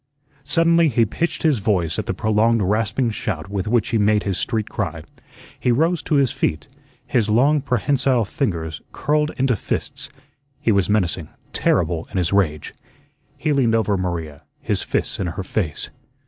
Suddenly he pitched his voice at the prolonged rasping shout with which he made his street cry. He rose to his feet, his long, prehensile fingers curled into fists. He was menacing, terrible in his rage. He leaned over Maria, his fists in her face.